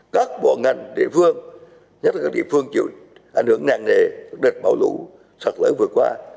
các bộ ngành địa phương nhất là các địa phương chịu ảnh hưởng nặng nề của đợt bão lũ sạt lở vừa qua